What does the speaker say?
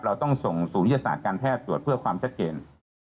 เราต้องส่งศูนย์วิทยาศาสตร์การแพทย์ตรวจเพื่อความชัดเจน